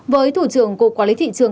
với thủ trường cục quản lý thị trường